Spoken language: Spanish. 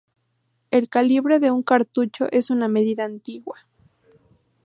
El calibre de un cartucho es una medida antigua.